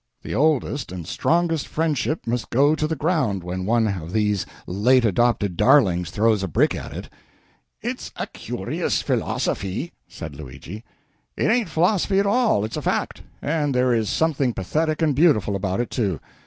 The oldest and strongest friendship must go to the ground when one of these late adopted darlings throws a brick at it." "It's a curious philosophy," said Luigi. "It ain't a philosophy at all it's a fact. And there is something pathetic and beautiful about it, too.